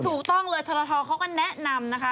ถูกต้องเลยทรทเขาก็แนะนำนะคะ